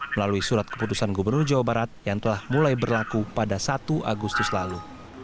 melalui surat keputusan gubernur jawa barat yang telah mulai berlaku pada satu agustus lalu